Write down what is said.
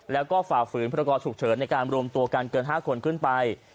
แล้วก็ฝ่าฝืนพรกรฉุกเฉินในการรวมตัวกันเกิน๕คนขึ้นไป